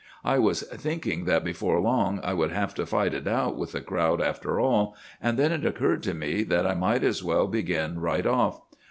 I was thinking that before long I would have to fight it out with the crowd after all, and then it occurred to me that I might as well begin right off.